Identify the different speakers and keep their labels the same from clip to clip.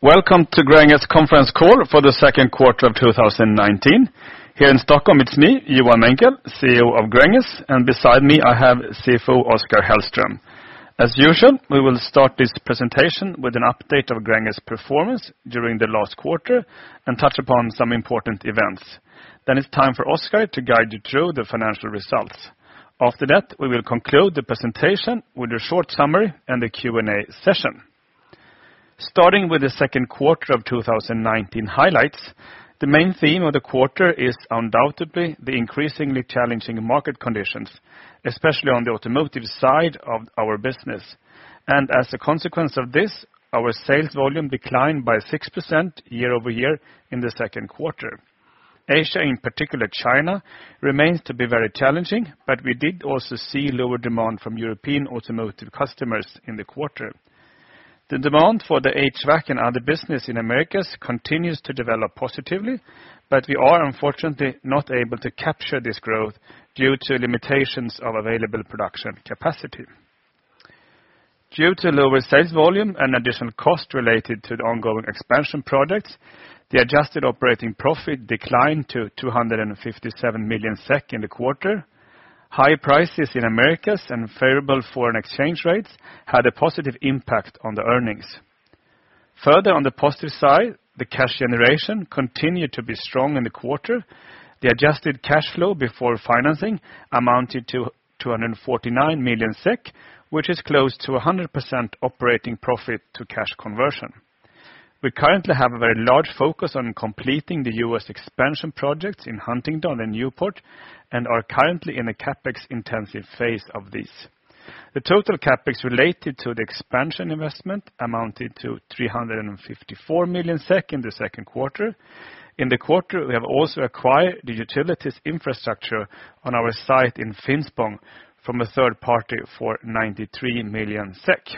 Speaker 1: Welcome to Gränges conference call for the second quarter of 2019. Here in Stockholm, it's me, Johan Menckel, CEO of Gränges, and beside me I have CFO Oskar Hellström. As usual, we will start this presentation with an update of Gränges performance during the last quarter and touch upon some important events. Then it's time for Oskar to guide you through the financial results. After that, we will conclude the presentation with a short summary and a Q&A session. Starting with the second quarter of 2019 highlights, the main theme of the quarter is undoubtedly the increasingly challenging market conditions, especially on the automotive side of our business. As a consequence of this, our sales volume declined by 6% year-over-year in the second quarter. Asia, in particular China, remains to be very challenging, but we did also see lower demand from European automotive customers in the quarter. The demand for the HVAC and other business in Americas continues to develop positively, but we are unfortunately not able to capture this growth due to limitations of available production capacity. Due to lower sales volume and additional cost related to the ongoing expansion projects, the adjusted operating profit declined to 257 million SEK in the quarter. High prices in Americas and favorable foreign exchange rates had a positive impact on the earnings. Further on the positive side, the cash generation continued to be strong in the quarter. The adjusted cash flow before financing amounted to 249 million SEK, which is close to 100% operating profit to cash conversion. We currently have a very large focus on completing the U.S. expansion projects in Huntingdon and Newport and are currently in a CapEx intensive phase of this. The total CapEx related to the expansion investment amounted to 354 million SEK in the second quarter. In the quarter, we have also acquired the utilities infrastructure on our site in Finspång from a third party for 93 million SEK.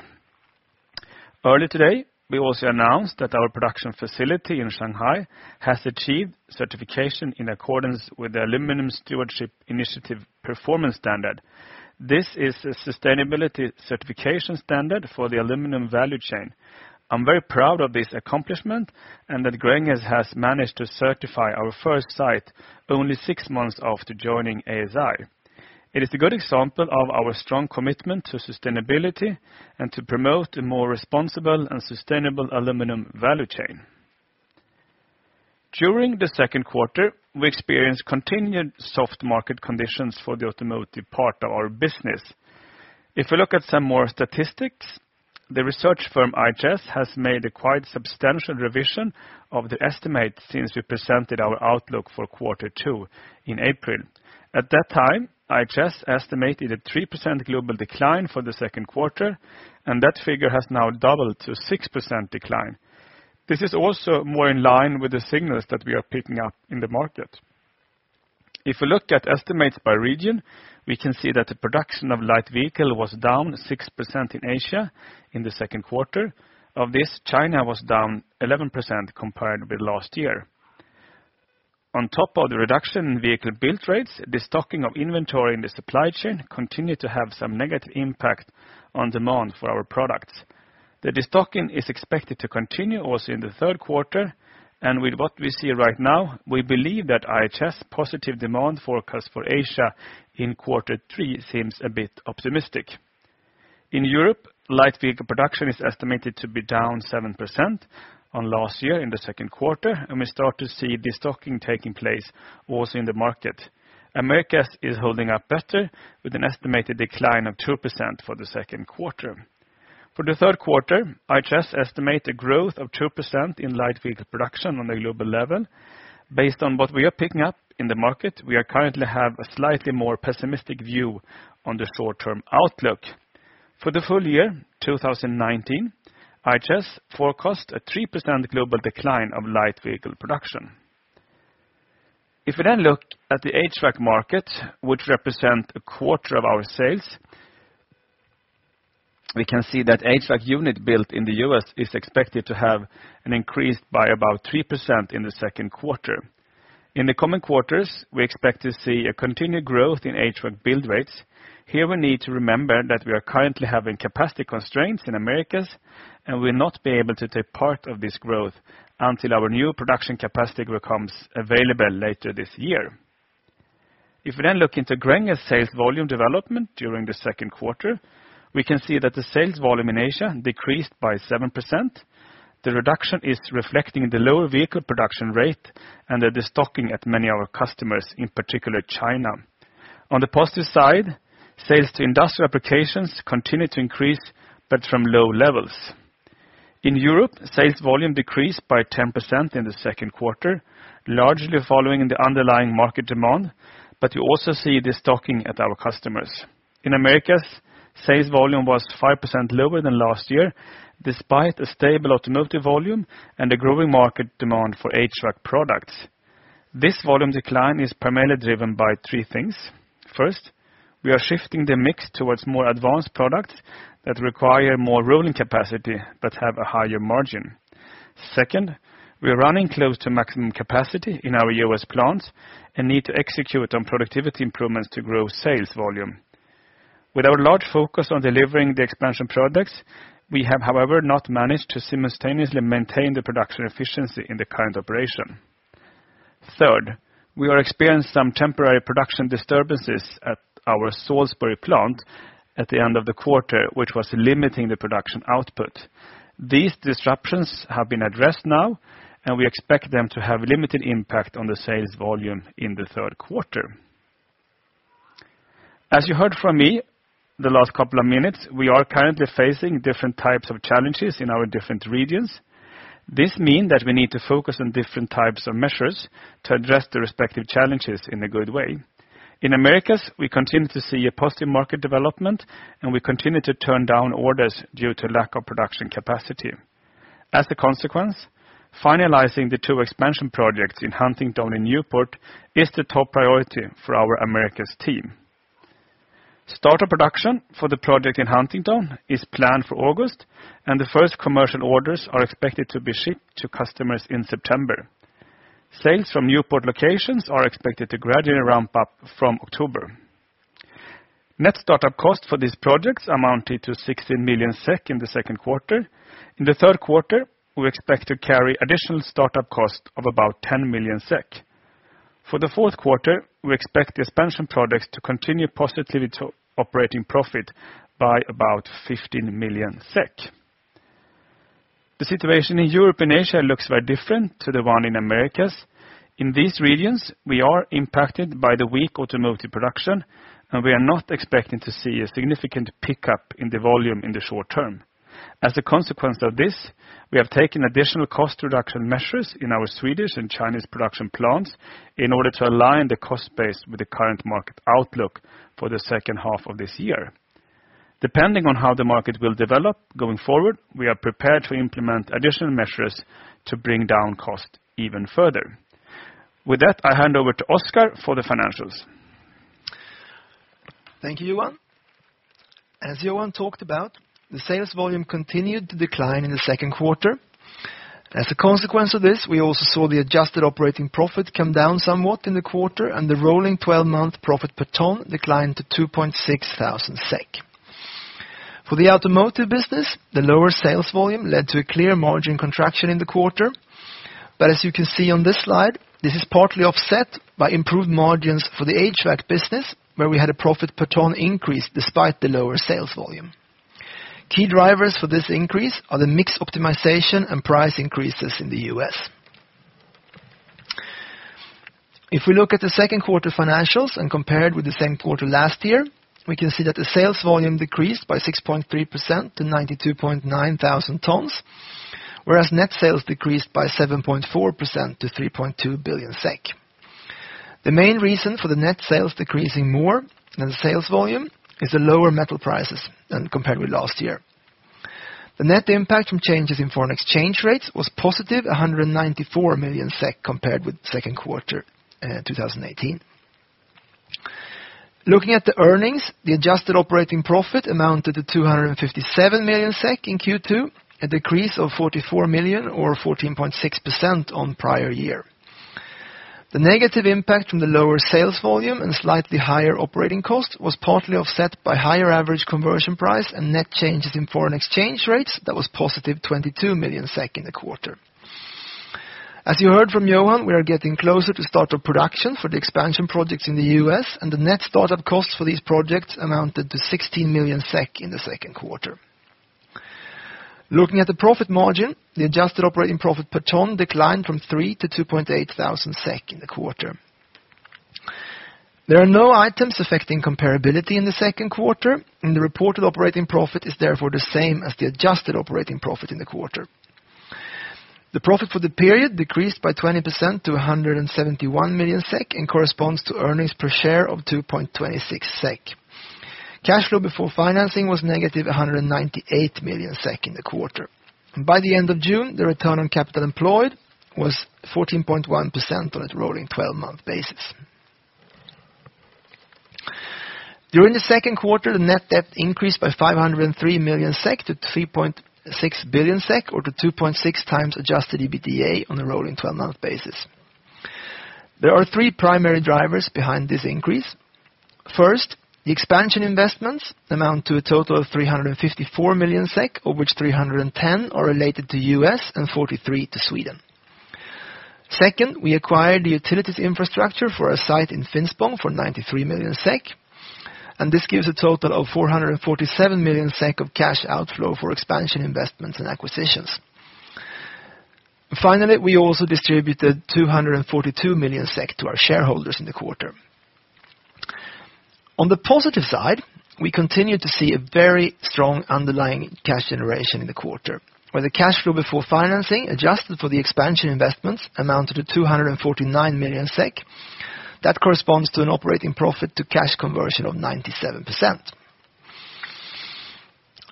Speaker 1: Early today, we also announced that our production facility in Shanghai has achieved certification in accordance with the Aluminium Stewardship Initiative Performance Standard. This is a sustainability certification standard for the aluminum value chain. I'm very proud of this accomplishment and that Gränges has managed to certify our first site only six months after joining ASI. It is a good example of our strong commitment to sustainability and to promote a more responsible and sustainable aluminum value chain. During the second quarter, we experienced continued soft market conditions for the automotive part of our business. If we look at some more statistics, the research firm IHS has made a quite substantial revision of the estimate since we presented our outlook for quarter two in April. At that time, IHS estimated a 3% global decline for the second quarter, and that figure has now doubled to 6% decline. This is also more in line with the signals that we are picking up in the market. If we look at estimates by region, we can see that the production of light vehicle was down 6% in Asia in the second quarter. Of this, China was down 11% compared with last year. On top of the reduction in vehicle build rates, the stocking of inventory in the supply chain continued to have some negative impact on demand for our products. The stocking is expected to continue also in the third quarter. With what we see right now, we believe that IHS positive demand forecast for Asia in quarter three seems a bit optimistic. In Europe, light vehicle production is estimated to be down 7% on last year in the second quarter. We start to see the stocking taking place also in the market. Americas is holding up better with an estimated decline of 2% for the second quarter. For the third quarter, IHS estimate a growth of 2% in light vehicle production on a global level. Based on what we are picking up in the market, we currently have a slightly more pessimistic view on the short-term outlook. For the full year 2019, IHS forecast a 3% global decline of light vehicle production. If we look at the HVAC market, which represent a quarter of our sales, we can see that HVAC unit built in the U.S. is expected to have an increase by about 3% in the second quarter. In the coming quarters, we expect to see a continued growth in HVAC build rates. Here we need to remember that we are currently having capacity constraints in Americas. We will not be able to take part of this growth until our new production capacity becomes available later this year. If we look into Gränges sales volume development during the second quarter, we can see that the sales volume in Asia decreased by 7%. The reduction is reflecting the lower vehicle production rate and the stocking at many of our customers, in particular China. On the positive side, sales to industrial applications continue to increase, but from low levels. In Europe, sales volume decreased by 10% in the second quarter, largely following the underlying market demand. You also see the stocking at our customers. In Americas, sales volume was 5% lower than last year, despite a stable automotive volume and a growing market demand for HVAC products. This volume decline is primarily driven by three things. First, we are shifting the mix towards more advanced products that require more rolling capacity but have a higher margin. Second, we are running close to maximum capacity in our U.S. plant and need to execute on productivity improvements to grow sales volume. With our large focus on delivering the expansion products, we have, however, not managed to simultaneously maintain the production efficiency in the current operation. Third, we are experiencing some temporary production disturbances at our Salisbury plant at the end of the quarter, which was limiting the production output. These disruptions have been addressed now. We expect them to have limited impact on the sales volume in the third quarter. As you heard from me the last couple of minutes, we are currently facing different types of challenges in our different regions. This mean that we need to focus on different types of measures to address the respective challenges in a good way. In Americas, we continue to see a positive market development. We continue to turn down orders due to lack of production capacity. As a consequence, finalizing the two expansion projects in Huntingdon and Newport is the top priority for our Americas team. Start of production for the project in Huntingdon is planned for August, and the first commercial orders are expected to be shipped to customers in September. Sales from Newport locations are expected to gradually ramp up from October. Net startup cost for these projects amounted to 16 million SEK in the second quarter. In the third quarter, we expect to carry additional startup cost of about 10 million SEK. For the fourth quarter, we expect the expansion products to continue positively to operating profit by about 15 million SEK. The situation in Europe and Asia looks very different to the one in Americas. In these regions, we are impacted by the weak automotive production. We are not expecting to see a significant pickup in the volume in the short term. As a consequence of this, we have taken additional cost reduction measures in our Swedish and Chinese production plants in order to align the cost base with the current market outlook for the second half of this year. Depending on how the market will develop going forward, we are prepared to implement additional measures to bring down cost even further. With that, I hand over to Oskar for the financials.
Speaker 2: Thank you, Johan. As Johan talked about, the sales volume continued to decline in the second quarter. As a consequence of this, we also saw the adjusted operating profit come down somewhat in the quarter. The rolling 12-month profit per ton declined to 2,600 SEK. For the automotive business, the lower sales volume led to a clear margin contraction in the quarter. As you can see on this slide, this is partly offset by improved margins for the HVAC business, where we had a profit per ton increase despite the lower sales volume. Key drivers for this increase are the mix optimization and price increases in the U.S. If we look at the second quarter financials and compare it with the same quarter last year, we can see that the sales volume decreased by 6.3% to 92,900 tons, whereas net sales decreased by 7.4% to 3.2 billion SEK. The main reason for the net sales decreasing more than the sales volume is the lower metal prices than compared with last year. The net impact from changes in foreign exchange rates was positive 194 million SEK compared with second quarter 2018. Looking at the earnings, the adjusted operating profit amounted to 257 million SEK in Q2, a decrease of 44 million or 14.6% on prior year. The negative impact from the lower sales volume and slightly higher operating cost was partly offset by higher average conversion price and net changes in foreign exchange rates that was positive 22 million SEK in the quarter. As you heard from Johan, we are getting closer to start of production for the expansion projects in the U.S. The net start of costs for these projects amounted to 16 million SEK in the second quarter. Looking at the profit margin, the adjusted operating profit per ton declined from three to 2,800 SEK in the quarter. There are no items affecting comparability in the second quarter, and the reported operating profit is therefore the same as the adjusted operating profit in the quarter. The profit for the period decreased by 20% to 171 million SEK and corresponds to earnings per share of 2.26 SEK. Cash flow before financing was negative 198 million SEK in the quarter. By the end of June, the return on capital employed was 14.1% on its rolling 12-month basis. During the second quarter, the net debt increased by 503 million SEK to 3.6 billion SEK, or to 2.6 times adjusted EBITDA on a rolling 12-month basis. There are three primary drivers behind this increase. First, the expansion investments amount to a total of 354 million SEK, of which 310 are related to U.S. and 43 to Sweden. Second, we acquired the utilities infrastructure for a site in Finspång for 93 million SEK. This gives a total of 447 million SEK of cash outflow for expansion investments and acquisitions. Finally, we also distributed 242 million SEK to our shareholders in the quarter. On the positive side, we continued to see a very strong underlying cash generation in the quarter, where the cash flow before financing, adjusted for the expansion investments, amounted to 249 million SEK. That corresponds to an operating profit to cash conversion of 97%.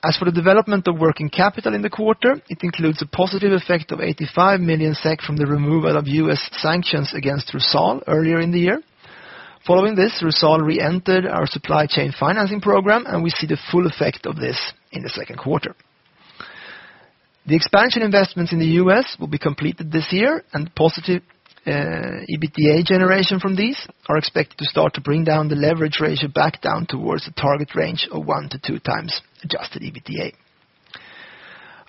Speaker 2: As for the development of working capital in the quarter, it includes a positive effect of 85 million SEK from the removal of U.S. sanctions against Rusal earlier in the year. Following this, Rusal reentered our supply chain financing program. We see the full effect of this in the second quarter. The expansion investments in the U.S. will be completed this year. Positive EBITDA generation from these are expected to start to bring down the leverage ratio back down towards the target range of one to two times adjusted EBITDA.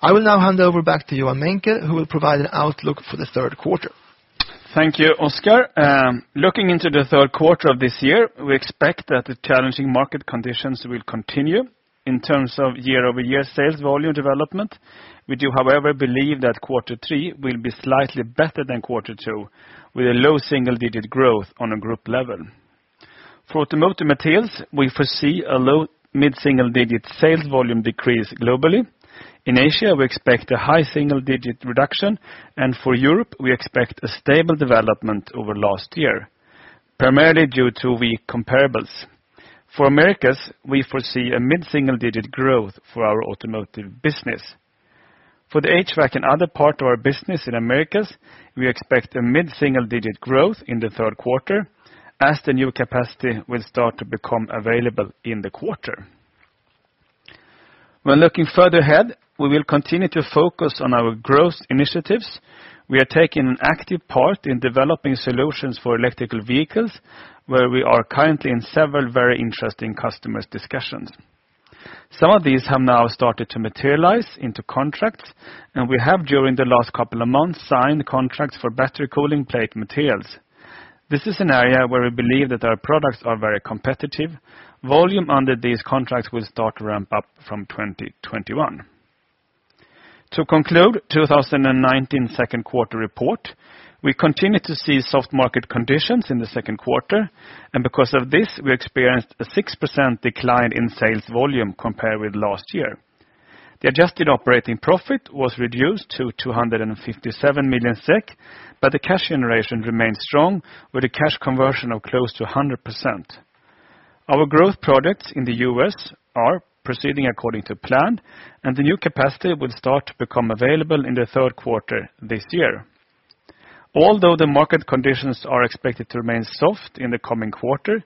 Speaker 2: I will now hand over back to Johan Menckel, who will provide an outlook for the third quarter.
Speaker 1: Thank you, Oskar. Looking into the third quarter of this year, we expect that the challenging market conditions will continue in terms of year-over-year sales volume development. We do, however, believe that quarter three will be slightly better than quarter two, with a low single-digit growth on a group level. For automotive materials, we foresee a low mid-single-digit sales volume decrease globally. In Asia, we expect a high single-digit reduction. For Europe, we expect a stable development over last year, primarily due to weak comparables. For Americas, we foresee a mid-single-digit growth for our automotive business. For the HVAC and other part of our business in Americas, we expect a mid-single-digit growth in the third quarter as the new capacity will start to become available in the quarter. When looking further ahead, we will continue to focus on our growth initiatives. We are taking an active part in developing solutions for electrical vehicles, where we are currently in several very interesting customers discussions. Some of these have now started to materialize into contracts. We have during the last couple of months, signed contracts for battery cooling plate materials. This is an area where we believe that our products are very competitive. Volume under these contracts will start to ramp up from 2021. To conclude 2019 second quarter report, we continue to see soft market conditions in the second quarter. Because of this, we experienced a 6% decline in sales volume compared with last year. The adjusted operating profit was reduced to 257 million SEK. The cash generation remained strong with a cash conversion of close to 100%. Our growth products in the U.S. are proceeding according to plan. The new capacity will start to become available in the third quarter this year. Although the market conditions are expected to remain soft in the coming quarter,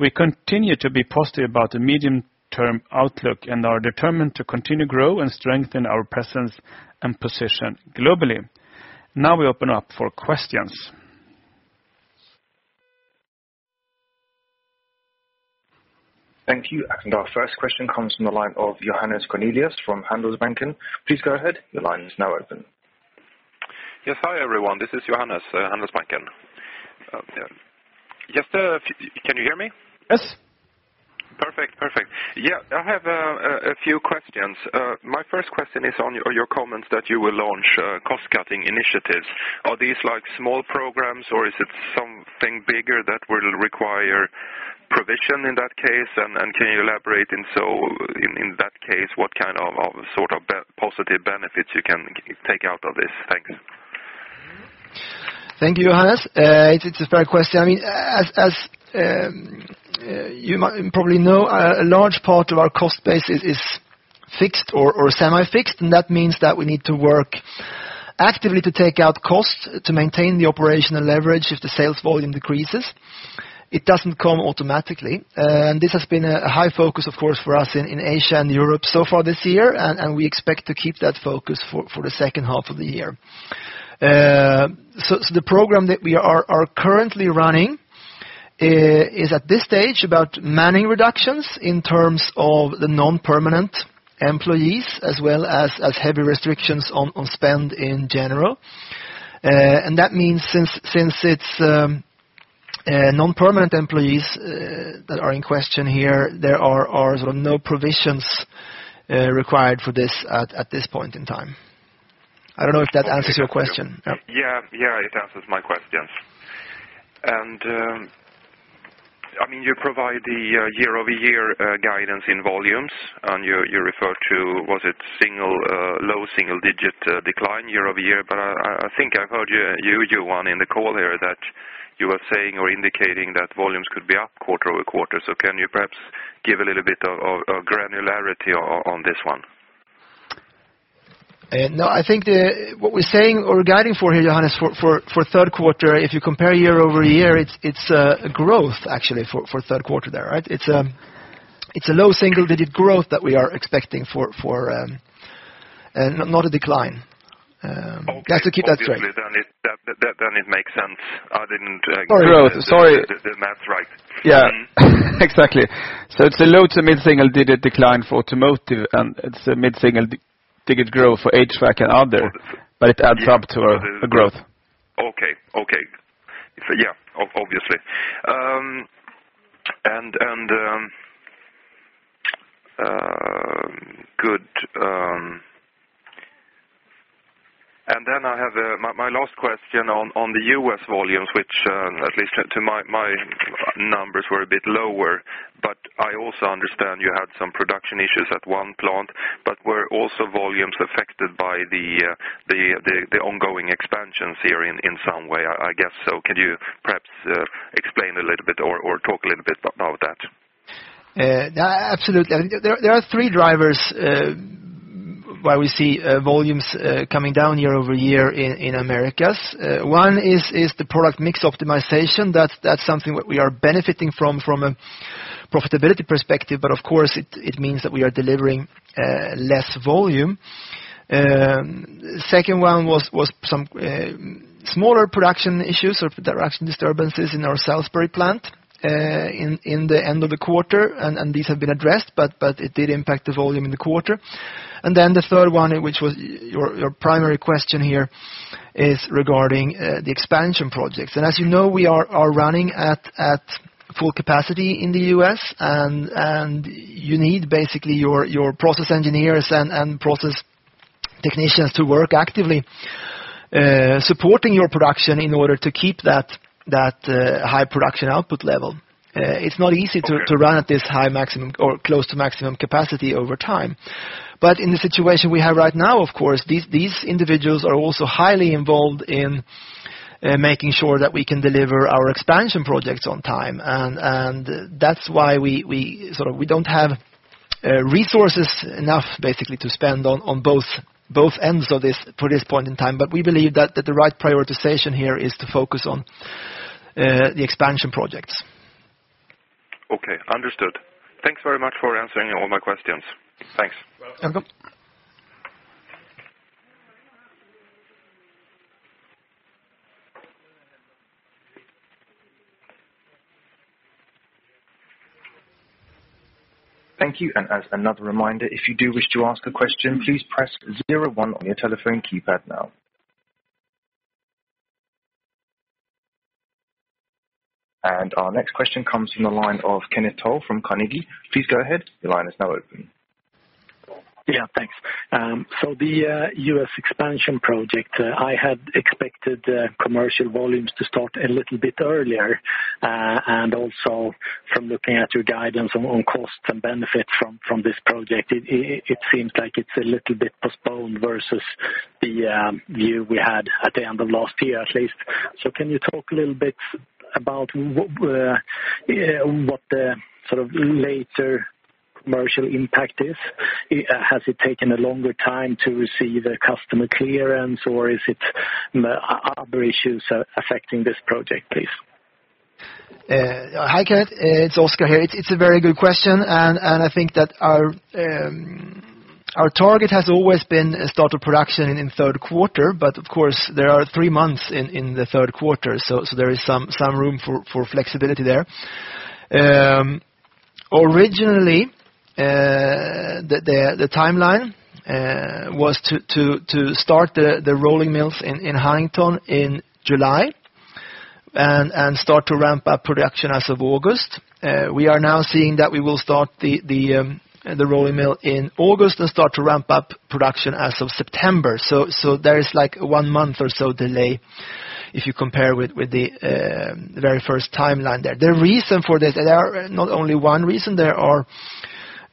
Speaker 1: we continue to be positive about the medium-term outlook and are determined to continue grow and strengthen our presence and position globally. Now we open up for questions.
Speaker 3: Thank you. Our first question comes from the line of Johannes Cornelius from Handelsbanken. Please go ahead. The line is now open.
Speaker 4: Yes. Hi, everyone. This is Johannes, Handelsbanken. Can you hear me?
Speaker 2: Yes.
Speaker 4: Perfect. I have a few questions. My first question is on your comments that you will launch cost-cutting initiatives. Are these small programs or is it something bigger that will require provision in that case? Can you elaborate in that case, what sort of positive benefits you can take out of this? Thanks.
Speaker 2: Thank you, Johannes. It's a fair question. As you probably know, a large part of our cost base is fixed or semi-fixed, that means that we need to work actively to take out costs to maintain the operational leverage if the sales volume decreases. It doesn't come automatically. This has been a high focus, of course, for us in Asia and Europe so far this year, we expect to keep that focus for the second half of the year. The program that we are currently running is at this stage about manning reductions in terms of the non-permanent employees, as well as heavy restrictions on spend in general. That means since it's non-permanent employees that are in question here, there are no provisions required for this at this point in time. I don't know if that answers your question.
Speaker 4: Yeah, it answers my questions. You provide the year-over-year guidance in volumes, you refer to, was it low single-digit decline year-over-year? I think I heard you, Johan, in the call here that you were saying or indicating that volumes could be up quarter-over-quarter. Can you perhaps give a little bit of granularity on this one?
Speaker 2: No, I think what we're saying or guiding for here, Johannes, for Q3, if you compare year-over-year, it's a growth actually for Q3 there. It's a low single-digit growth that we are expecting, not a decline. Just to keep that straight.
Speaker 4: Obviously, it makes sense. I didn't
Speaker 2: Sorry
Speaker 4: do the math right.
Speaker 1: Yeah, exactly. It's a low to mid-single digit decline for automotive, and it's a mid-single digit growth for HVAC and other, but it adds up to a growth.
Speaker 4: Okay. Yeah, obviously. I have my last question on the U.S. volumes, which at least to my numbers were a bit lower, but I also understand you had some production issues at one plant, but were also volumes affected by the ongoing expansions here in some way, I guess. Can you perhaps explain a little bit or talk a little bit about that?
Speaker 2: Absolutely. There are three drivers why we see volumes coming down year-over-year in Americas. One is the product mix optimization. That's something that we are benefiting fromProfitability perspective, but of course it means that we are delivering less volume. Second one was some smaller production issues or production disturbances in our Salisbury plant in the end of the quarter. These have been addressed, but it did impact the volume in the quarter. The third one, which was your primary question here, is regarding the expansion projects. As you know, we are running at full capacity in the U.S. and you need basically your process engineers and process technicians to work actively supporting your production in order to keep that high production output level. It's not easy to run at this high maximum or close to maximum capacity over time. In the situation we have right now, of course, these individuals are also highly involved in making sure that we can deliver our expansion projects on time. That's why we don't have resources enough basically to spend on both ends of this for this point in time. We believe that the right prioritization here is to focus on the expansion projects.
Speaker 4: Okay, understood. Thanks very much for answering all my questions. Thanks.
Speaker 2: Welcome.
Speaker 3: Thank you. As another reminder, if you do wish to ask a question, please press 01 on your telephone keypad now. Our next question comes from the line of Kenneth Toll from Carnegie. Please go ahead. Your line is now open.
Speaker 5: Thanks. The U.S. expansion project, I had expected commercial volumes to start a little bit earlier, and also from looking at your guidance on cost and benefit from this project, it seems like it's a little bit postponed versus the view we had at the end of last year, at least. Can you talk a little bit about what the later commercial impact is? Has it taken a longer time to receive the customer clearance, or are there issues affecting this project, please?
Speaker 2: Hi, Kenneth. It's Oskar here. It's a very good question, and I think that our target has always been start of production in the third quarter, but of course, there are three months in the third quarter, so there is some room for flexibility there. Originally, the timeline was to start the rolling mills in Huntingdon in July, and start to ramp up production as of August. We are now seeing that we will start the rolling mill in August and start to ramp up production as of September. There is one month or so delay if you compare with the very first timeline there. The reason for this, there are not only one reason, there are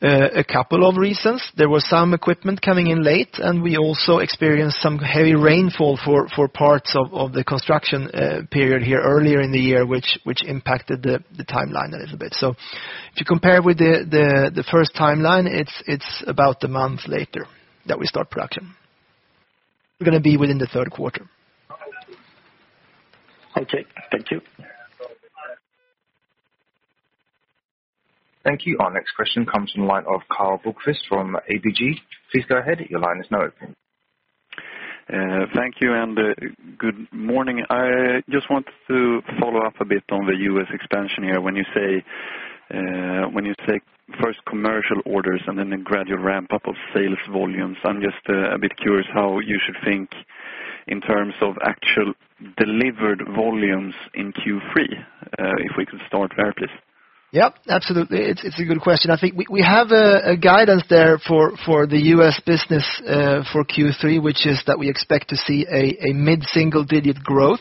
Speaker 2: a couple of reasons. There was some equipment coming in late, and we also experienced some heavy rainfall for parts of the construction period here earlier in the year, which impacted the timeline a little bit. If you compare with the first timeline, it's about a month later that we start production. We're going to be within the third quarter.
Speaker 5: Thank you.
Speaker 3: Thank you. Our next question comes from the line of Karl Bokvist from ABG. Please go ahead. Your line is now open.
Speaker 6: Thank you, and good morning. I just want to follow up a bit on the U.S. expansion here. When you say first commercial orders and then the gradual ramp-up of sales volumes, I'm just a bit curious how you should think in terms of actual delivered volumes in Q3, if we could start there, please.
Speaker 2: Yeah, absolutely. It's a good question. I think we have a guidance there for the U.S. business for Q3, which is that we expect to see a mid-single-digit growth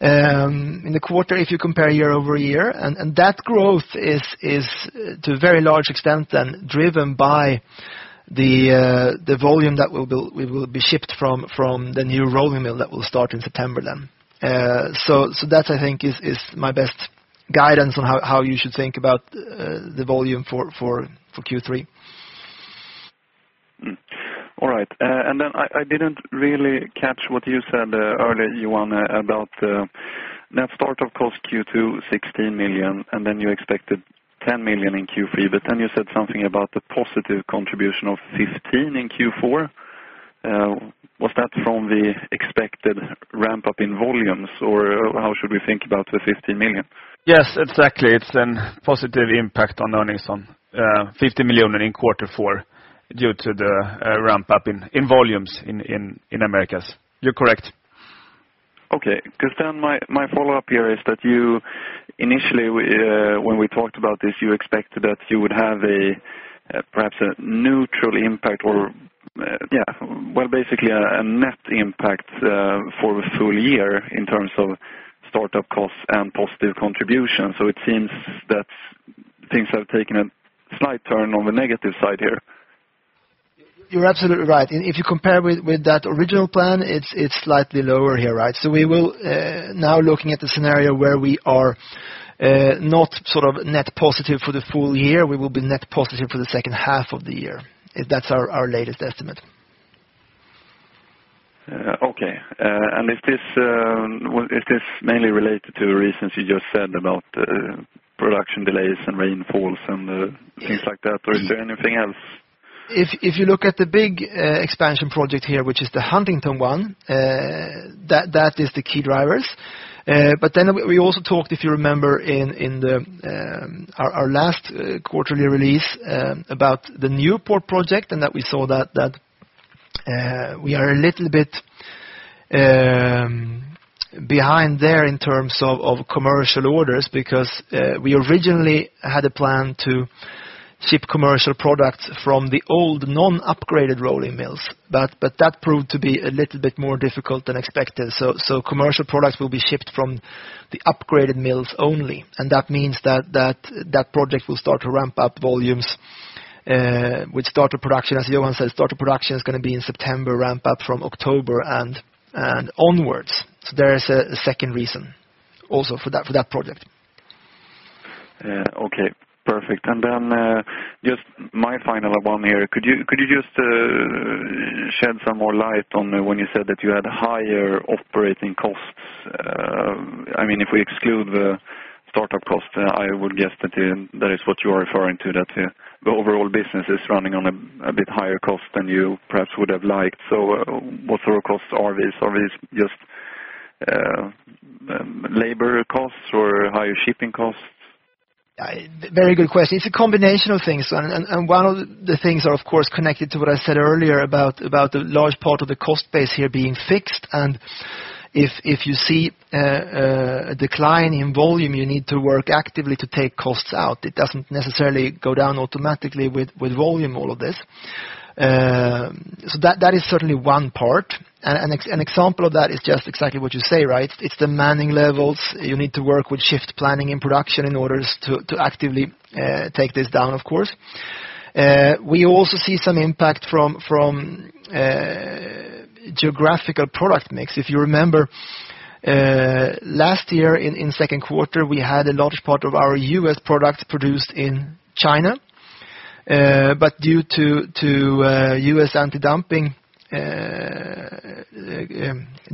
Speaker 2: in the quarter if you compare year-over-year. That growth is to a very large extent then driven by the volume that will be shipped from the new rolling mill that will start in September then. That I think is my best guidance on how you should think about the volume for Q3.
Speaker 6: All right. Then I didn't really catch what you said earlier, Johan, about net start-up cost Q2, 16 million, then you expected 10 million in Q3, but then you said something about the positive contribution of 15 in Q4. Was that from the expected ramp-up in volumes, or how should we think about the 15 million?
Speaker 2: Yes, exactly. It's a positive impact on earnings on 15 million in quarter four due to the ramp-up in volumes in Americas. You're correct.
Speaker 6: Okay. My follow-up here is that you initially, when we talked about this, you expected that you would have perhaps a neutral impact or, well, basically a net impact for the full year in terms of start-up costs and positive contribution. It seems that things have taken a slight turn on the negative side here.
Speaker 2: You're absolutely right. If you compare with that original plan, it's slightly lower here, right? We will now looking at the scenario where we are not net positive for the full year, we will be net positive for the second half of the year. That's our latest estimate.
Speaker 6: Okay. Is this mainly related to the reasons you just said about production delays and rainfalls and things like that, or is there anything else?
Speaker 2: If you look at the big expansion project here, which is the Huntingdon one, that is the key drivers. We also talked, if you remember, in our last quarterly release about the Newport project, we saw that we are a little bit behind there in terms of commercial orders because we originally had a plan to ship commercial products from the old non-upgraded rolling mills. That proved to be a little bit more difficult than expected. Commercial products will be shipped from the upgraded mills only, that means that that project will start to ramp up volumes with starter production. As Johan said, starter production is going to be in September, ramp-up from October and onwards. There is a second reason also for that project.
Speaker 6: Okay, perfect. Just my final one here. Could you just shed some more light on when you said that you had higher operating costs? If we exclude the startup costs, I would guess that is what you are referring to, that the overall business is running on a bit higher cost than you perhaps would have liked. What sort of costs are these? Are these just labor costs or higher shipping costs?
Speaker 2: Very good question. It's a combination of things, and one of the things are, of course, connected to what I said earlier about the large part of the cost base here being fixed, if you see a decline in volume, you need to work actively to take costs out. It doesn't necessarily go down automatically with volume, all of this. That is certainly one part, an example of that is just exactly what you say. It's the manning levels. You need to work with shift planning and production in order to actively take this down, of course. We also see some impact from geographical product mix. If you remember, last year in second quarter, we had a large part of our U.S. products produced in China. Due to U.S. anti-dumping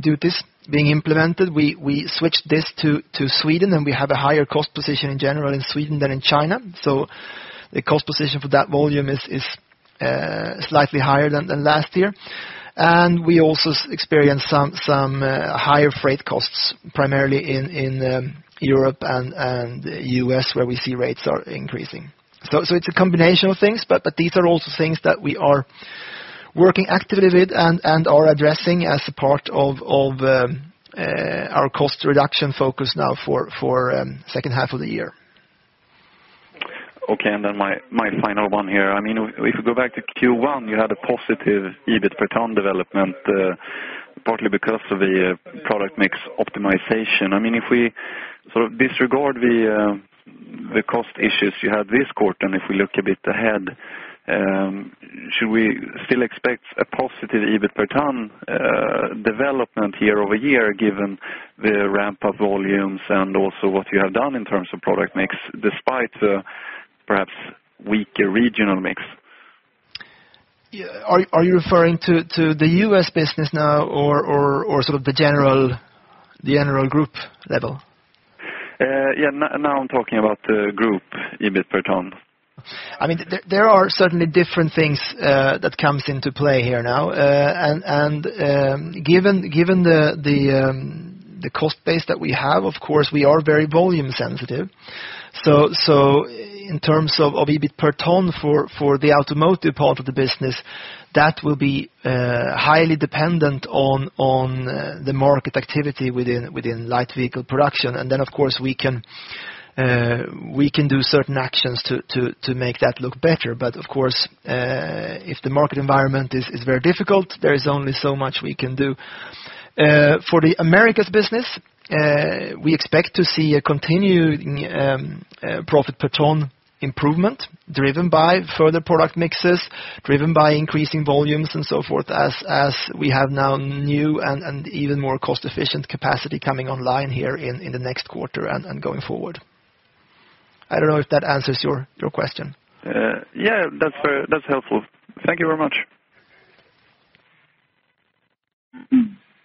Speaker 2: duties being implemented, we switched this to Sweden, we have a higher cost position in general in Sweden than in China. The cost position for that volume is slightly higher than last year. We also experienced some higher freight costs, primarily in Europe and U.S., where we see rates are increasing. It's a combination of things, these are also things that we are working actively with and are addressing as a part of our cost reduction focus now for second half of the year.
Speaker 6: Okay, my final one here. If we go back to Q1, you had a positive EBIT per ton development, partly because of the product mix optimization. If we disregard the cost issues you had this quarter, if we look a bit ahead, should we still expect a positive EBIT per ton development year-over-year, given the ramp-up volumes and also what you have done in terms of product mix, despite the perhaps weaker regional mix?
Speaker 2: Are you referring to the U.S. business now or sort of the general group level?
Speaker 6: Yeah, now I'm talking about the group EBIT per ton.
Speaker 2: There are certainly different things that comes into play here now, and given the cost base that we have, of course, we are very volume sensitive. In terms of EBIT per ton for the automotive part of the business, that will be highly dependent on the market activity within light vehicle production. Of course, we can do certain actions to make that look better. Of course, if the market environment is very difficult, there is only so much we can do. For the Americas business, we expect to see a continuing profit per ton improvement driven by further product mixes, driven by increasing volumes and so forth, as we have now new and even more cost-efficient capacity coming online here in the next quarter and going forward. I don't know if that answers your question.
Speaker 6: Yeah, that's helpful. Thank you very much.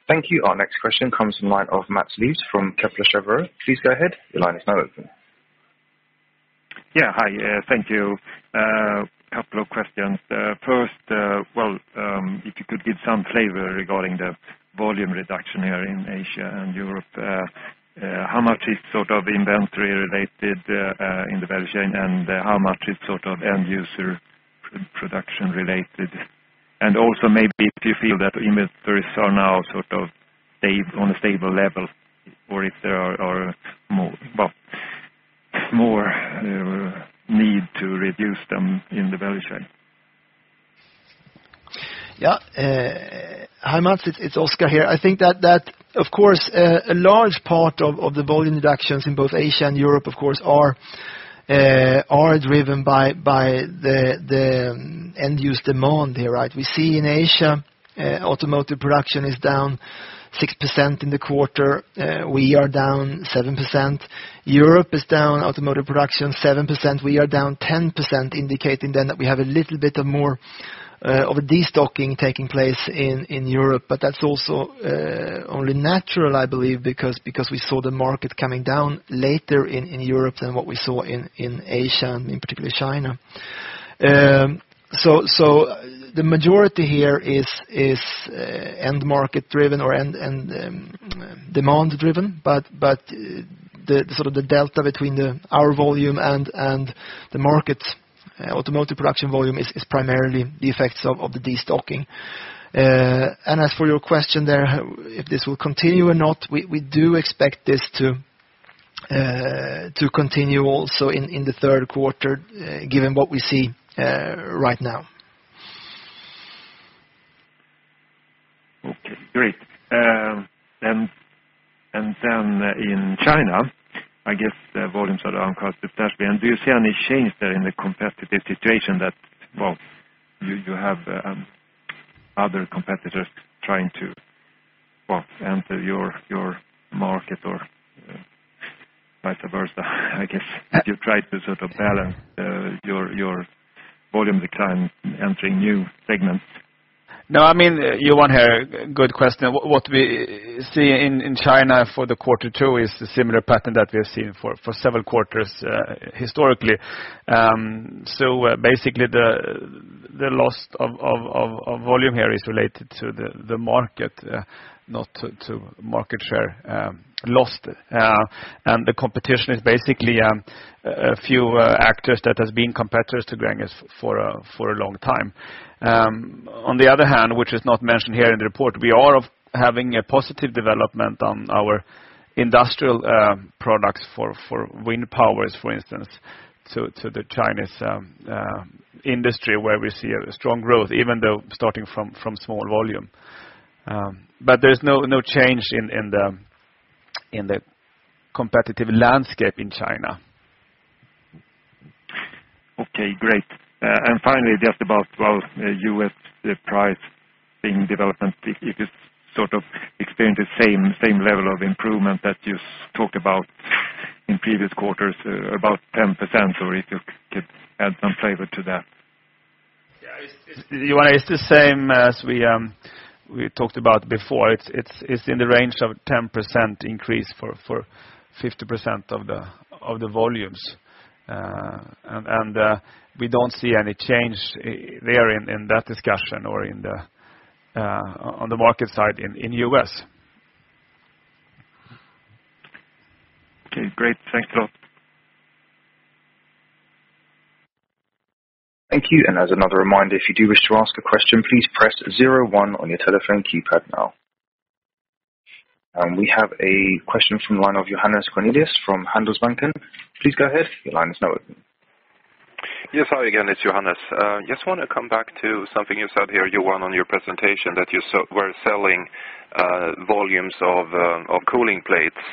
Speaker 3: Thank you. Our next question comes from the line of Mats Liss from Kepler Cheuvreux. Please go ahead. Your line is now open.
Speaker 7: Yeah. Hi. Thank you. Couple of questions. First, well, if you could give some flavor regarding the volume reduction here in Asia and Europe, how much is sort of inventory related in the value chain, and how much is sort of end-user production related? Also maybe if you feel that inventories are now sort of on a stable level or if there are more need to reduce them in the value chain?
Speaker 2: Yeah. Hi, Mats, it's Oskar here. I think that, of course, a large part of the volume reductions in both Asia and Europe, of course, are driven by the end-use demand here. We see in Asia, automotive production is down 6% in the quarter. We are down 7%. Europe is down, automotive production, 7%. We are down 10%, indicating that we have a little bit of more of a destocking taking place in Europe. That's also only natural, I believe, because we saw the market coming down later in Europe than what we saw in Asia, and particularly China. The majority here is end market driven or end demand driven, but the delta between our volume and the market automotive production volume is primarily the effects of the destocking. As for your question there, if this will continue or not, we do expect this to continue also in the Q3, given what we see right now.
Speaker 7: Okay, great. In China, I guess the volumes are down constantly. Do you see any change there in the competitive situation that, well, you have other competitors trying to enter your market or vice versa? I guess you've tried to sort of balance your volume decline entering new segments.
Speaker 1: No, Johan, good question. What we see in China for the Q2 is the similar pattern that we have seen for several quarters historically. Basically the loss of volume here is related to the market, not to market share lost. The competition is basically a few actors that has been competitors to Gränges for a long time. On the other hand, which is not mentioned here in the report, we are having a positive development on our industrial products for wind powers, for instance, to the Chinese industry, where we see a strong growth, even though starting from small volume. There's no change in the competitive landscape in China.
Speaker 7: Okay, great. Finally, just about, well, U.S. price thing development, if it's sort of experienced the same level of improvement that you've talked about in previous quarters, about 10%, or if you could add some flavor to that.
Speaker 1: Yeah, Johan, it's the same as we talked about before. It's in the range of 10% increase for 50% of the volumes. We don't see any change there in that discussion or on the market side in U.S.
Speaker 7: Okay, great. Thanks a lot.
Speaker 3: Thank you. As another reminder, if you do wish to ask a question, please press zero one on your telephone keypad now. We have a question from the line of Johannes Cornelius from Handelsbanken. Please go ahead. Your line is now open.
Speaker 4: Yes, hi again, it's Johannes. Just want to come back to something you said here, Johan, on your presentation, that you were selling volumes of cooling plates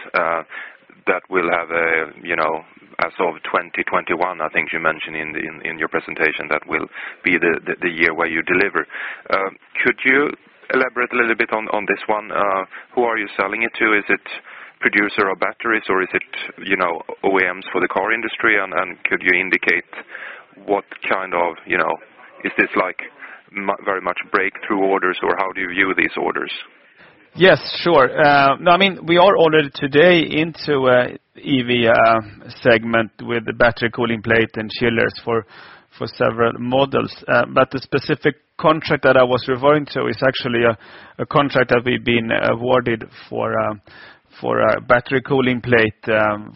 Speaker 4: that will have a sort of 2021, I think you mentioned in your presentation, that will be the year where you deliver. Could you elaborate a little bit on this one? Who are you selling it to? Is it producer of batteries or is it OEMs for the car industry? Could you indicate what kind of? Is this very much breakthrough orders, or how do you view these orders?
Speaker 1: Yes, sure. We are already today into EV segment with the battery cooling plate and chillers for several models. The specific contract that I was referring to is actually a contract that we've been awarded for a battery cooling plate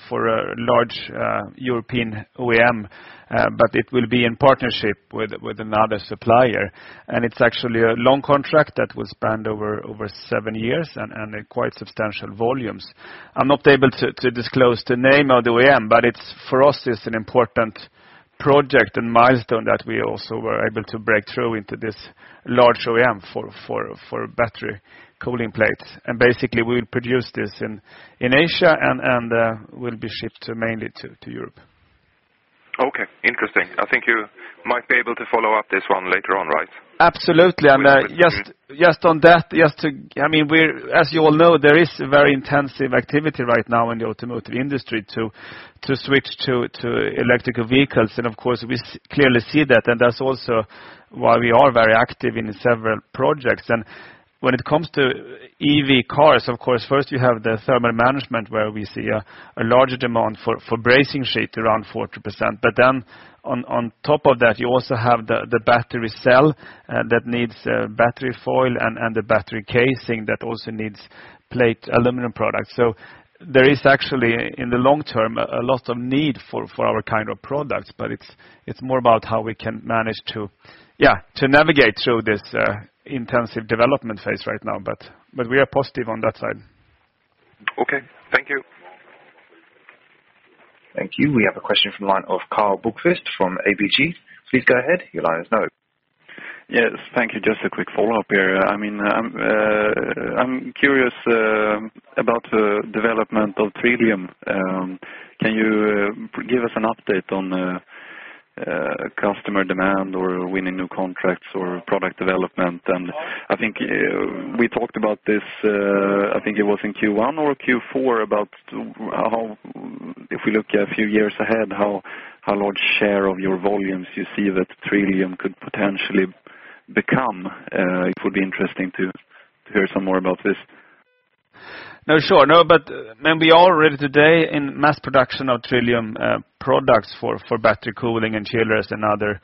Speaker 1: for a large European OEM, but it will be in partnership with another supplier. It's actually a long contract that will span over seven years and in quite substantial volumes. I'm not able to disclose the name of the OEM, but for us, it's an important project and milestone that we also were able to break through into this large OEM for battery cooling plates. Basically, we'll produce this in Asia, and will be shipped mainly to Europe.
Speaker 4: Okay, interesting. I think you might be able to follow up this one later on, right?
Speaker 2: Absolutely. Just on that, as you all know, there is a very intensive activity right now in the automotive industry to switch to electrical vehicles. Of course, we clearly see that, and that's also why we are very active in several projects. When it comes to EV cars, of course, first you have the thermal management where we see a large demand for brazing sheet around 40%. On top of that, you also have the battery cell that needs battery foil and the battery casing that also needs plate aluminum products. There is actually, in the long term, a lot of need for our kind of products, but it's more about how we can manage to navigate through this intensive development phase right now. We are positive on that side.
Speaker 4: Okay, thank you.
Speaker 3: Thank you. We have a question from the line of Karl Bokvist from ABG. Please go ahead. Your line is now open.
Speaker 6: Yes. Thank you. Just a quick follow-up here. I am curious about the development of TRILLIUM®. Can you give us an update on customer demand or winning new contracts or product development. I think we talked about this, I think it was in Q1 or Q4, about if we look a few years ahead, how large share of your volumes you see that TRILLIUM® could potentially become. It would be interesting to hear some more about this.
Speaker 1: No, sure. We are already today in mass production of TRILLIUM® products for battery cooling and chillers and other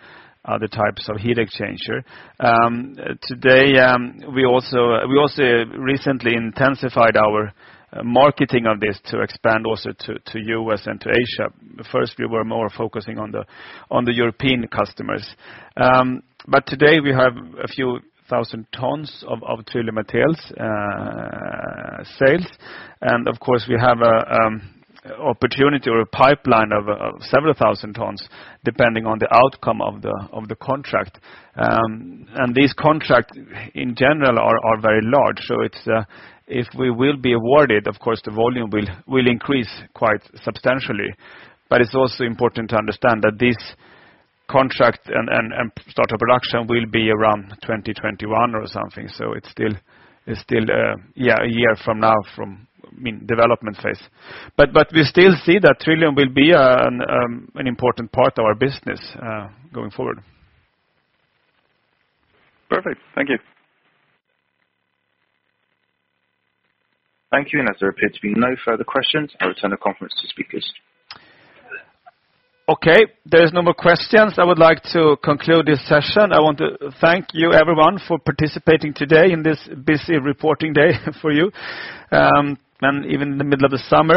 Speaker 1: types of heat exchanger. Today, we also recently intensified our marketing of this to expand also to U.S. and to Asia. First, we were more focusing on the European customers. Today we have a few thousand tons of TRILLIUM® materials sales. Of course, we have an opportunity or a pipeline of several thousand tons depending on the outcome of the contract. These contracts in general are very large. If we will be awarded, of course, the volume will increase quite substantially. It is also important to understand that this contract and start of production will be around 2021 or something. It is still a year from now from development phase. We still see that TRILLIUM® will be an important part of our business going forward.
Speaker 6: Perfect. Thank you.
Speaker 3: Thank you. As there appear to be no further questions, I return the conference to speakers.
Speaker 1: Okay, there's no more questions. I would like to conclude this session. I want to thank you everyone for participating today in this busy reporting day for you, even in the middle of the summer.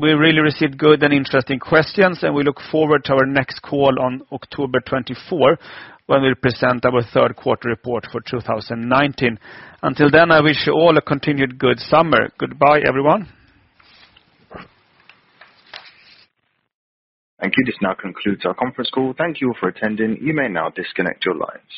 Speaker 1: We really received good and interesting questions, and we look forward to our next call on October 24, when we'll present our third quarter report for 2019. Until then, I wish you all a continued good summer. Goodbye, everyone.
Speaker 3: Thank you. This now concludes our conference call. Thank you for attending. You may now disconnect your lines.